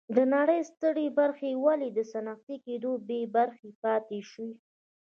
د نړۍ سترې برخې ولې له صنعتي کېدو بې برخې پاتې شوې.